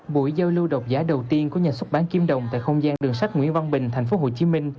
buổi giao lưu độc giả đầu tiên của nhà xuất bản kim đồng tại không gian đường sách nguyễn văn bình tp hcm